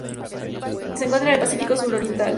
Se encuentra en el Pacífico suroriental.